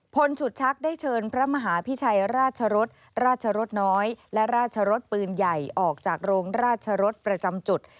ฉุดชักได้เชิญพระมหาพิชัยราชรสราชรสน้อยและราชรสปืนใหญ่ออกจากโรงราชรสประจำจุด